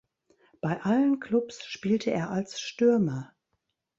Bei allen Klubs spielte er als Stürmer.